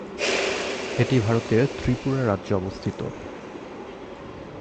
এটি ভারতের ত্রিপুরা রাজ্যে অবস্থিত।